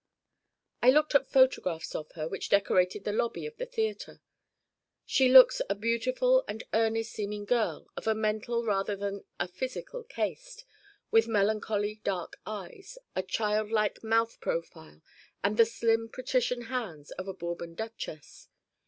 I looked at photographs of her which decorated the lobby of the theater. She looks a beautiful and earnest seeming girl of a mental rather than a physical caste, with melancholy dark eyes, a childlike mouth profile and the slim patrician hands of a Bourbon duchess.